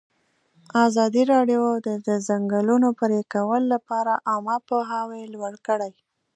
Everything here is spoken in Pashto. ازادي راډیو د د ځنګلونو پرېکول لپاره عامه پوهاوي لوړ کړی.